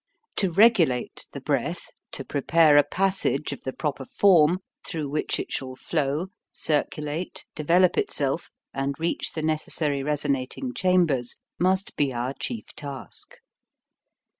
To regulate the breath, to prepare a pas sage of the proper form through which it shall flow, circulate, develop itself, and reach the necessary resonating chambers, must be our chief task.